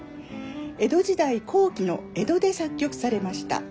江戸時代後期の江戸で作曲されました。